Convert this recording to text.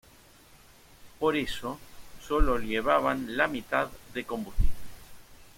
Por eso solo llevaban la mitad de combustible.